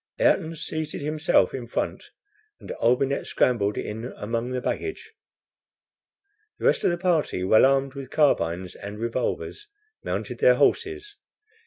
Ayrton seated himself in front, and Olbinett scrambled in among the luggage. The rest of the party, well armed with carbines and revolvers, mounted their horses.